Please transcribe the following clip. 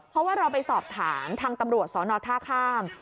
เพราะว่าเราไปสอบถามทางตำรวจสอนอท่าข้าม